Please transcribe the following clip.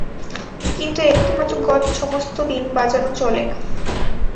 কিন্তু একটিমাত্র গৎ সমস্ত দিন বাজানো চলে না।